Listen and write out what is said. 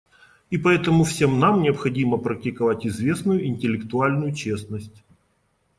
И поэтому всем нам необходимо практиковать известную интеллектуальную честность.